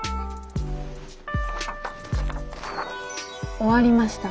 終わりました。